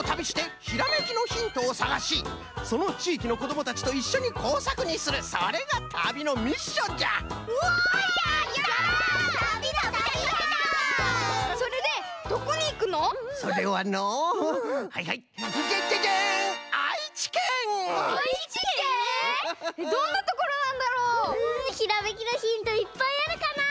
ひらめきのヒントいっぱいあるかなあ？